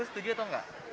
setuju atau nggak